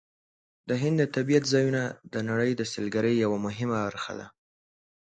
د هند د طبیعت ځایونه د نړۍ د سیلګرۍ یوه مهمه برخه ده.